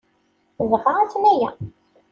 Dɣa aten-aya!